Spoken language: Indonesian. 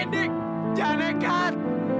dik jangan dekat